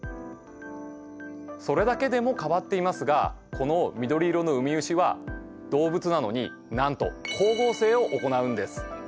それだけでも変わっていますがこの緑色のウミウシは動物なのになんと光合成を行うんです。